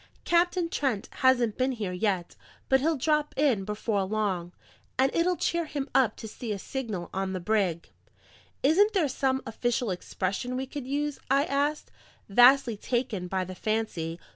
Captain Trent hasn't been here yet, but he'll drop in before long; and it'll cheer him up to see a signal on the brig." "Isn't there some official expression we could use?" I asked, vastly taken by the fancy.